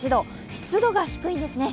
湿度が低いんですね。